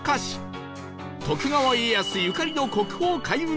徳川家康ゆかりの国宝開運